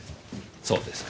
そうですか。